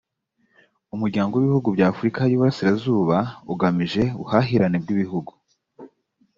umuryango w’ibihugu by’afurika y’iburasirazuba ugamije ubuhahirane bw’ibihugu